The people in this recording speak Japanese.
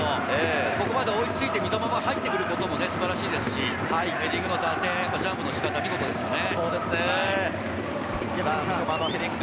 ここまで追いついて三笘が入ってくることも素晴らしいですし、ヘディングのジャンプの仕方も見事でしたね。